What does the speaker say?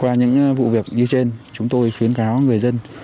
qua những vụ việc như trên chúng tôi khuyến cáo người dân